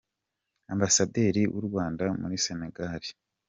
Ambasaderi w’u Rwanda muri Sénégal, Dr.